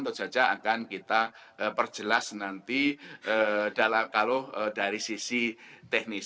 tentu saja akan kita perjelas nanti kalau dari sisi teknis